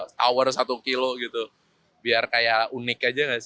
saya pakai satu kaki kaki yang lainnya saya pakai satu kaki kaki yang lainnya